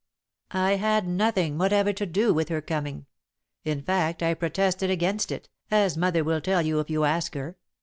"I had nothing whatever to do with her coming, in fact, I protested against it, as mother will tell you if you ask her.